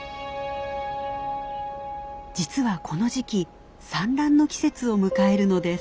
実はこの時期産卵の季節を迎えるのです。